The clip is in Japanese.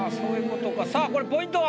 さあこれポイントは？